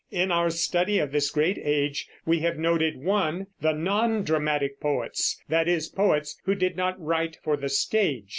In our study of this great age we have noted (1) the Non dramatic Poets, that is, poets who did not write for the stage.